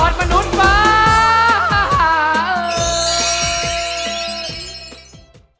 ยอดมนุษย์ปานาว